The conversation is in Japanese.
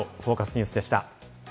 ニュースでした。